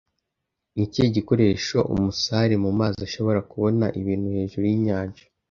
Ni ikihe gikoresho umusare mu mazi ashobora kubona ibintu hejuru yinyanja